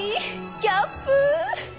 ギャップ！